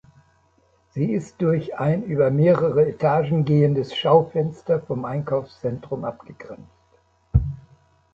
Sie ist durch ein über mehrere Etagen gehendes Schaufenster vom Einkaufszentrum abgegrenzt.